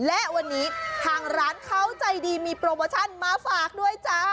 และวันนี้ทางร้านเขาใจดีมีโปรโมชั่นมาฝากด้วยจ้า